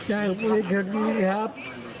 ใจของพวกเขาได้เกิดดีครับ